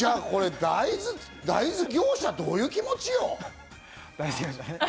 これ、大豆業者、どういう気持ちよ。